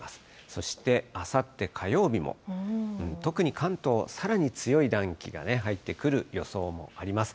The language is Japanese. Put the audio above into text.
そしてあさって火曜日も、特に関東、さらに強い暖気が入ってくる予想もあります。